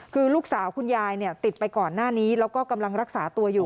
คือลูกสาวคุณยายติดไปก่อนหน้านี้แล้วก็กำลังรักษาตัวอยู่